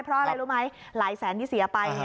เพราะอะไรรู้ไหมหลายแสนที่เสียไป